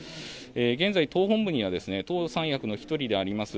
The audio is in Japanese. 現在、党本部には党三役の１人であります